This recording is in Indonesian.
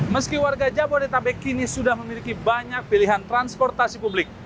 meski warga jabodetabek kini sudah memiliki banyak pilihan transportasi publik